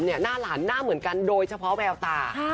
หน้าหลานหน้าเหมือนกันโดยเฉพาะแววตา